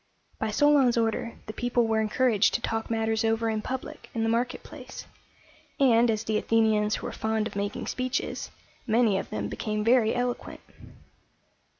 By Solon's order the people were encouraged to talk matters over in public in the market place; and, as the Athenians were fond of making speeches, many of them became very eloquent.